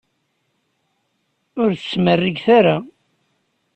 Ur tt-ttmerriget ara!